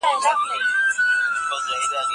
هغه وويل چي پوښتنه مهمه ده.